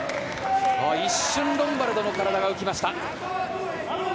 一瞬、ロンバルドの体が浮きました。